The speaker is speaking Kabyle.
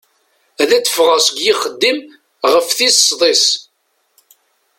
Ad d-ffɣeɣ seg yixeddim ɣef tis sḍis.